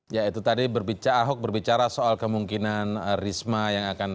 ya itu tadi berbicara ahok berbicara soal kemungkinan risma yang akan